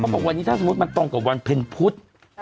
บอกวันนี้ถ้าสมมุติมันตรงกับวันเพ็ญพุธ